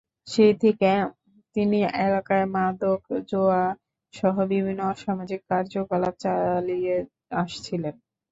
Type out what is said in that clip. সেই থেকে তিনি এলাকায় মাদক, জুয়াসহ বিভিন্ন অসামাজিক কার্যকলাপ চালিয়ে আসছিলেন।